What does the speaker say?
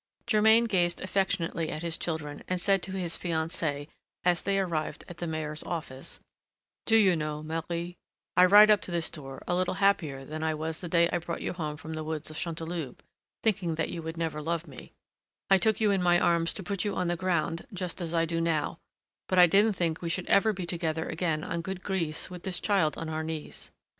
Germain gazed affectionately at his children, and said to his fiancée, as they arrived at the mayor's office: "Do you know, Marie, I ride up to this door a little happier than I was the day I brought you home from the woods of Chanteloube, thinking that you would never love me; I took you in my arms to put you on the ground just as I do now, but I didn't think we should ever be together again on good Grise with this child on our knees.